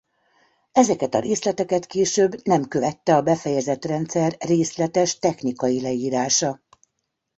Ezeket a részleteket később nem követte a befejezett rendszer részletes technikai leírása.